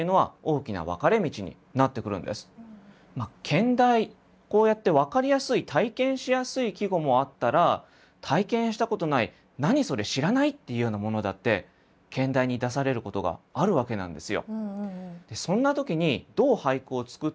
兼題こうやって分かりやすい体験しやすい季語もあったら体験したことない何それ知らないっていうようなものだってでそんな時にそれは取り合わせといいます。